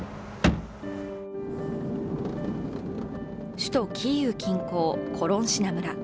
首都キーウ近郊コロンシナ村。